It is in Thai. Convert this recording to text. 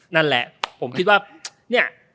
นั่นแหละผมคิดว่าเนี่ย